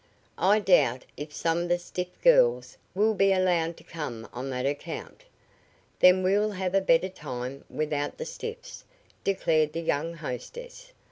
"I doubt if some of the stiff girls will be allowed to come on that account." "Then we'll have a better time without the stiffs," declared the young hostess.